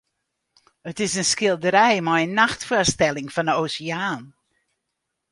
It is in skilderij mei in nachtfoarstelling fan de oseaan.